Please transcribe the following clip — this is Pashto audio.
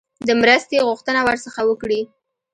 د مرستې غوښتنه ورڅخه وکړي.